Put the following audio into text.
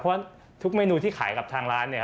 เพราะว่าทุกเมนูที่ขายกับทางร้านเนี่ย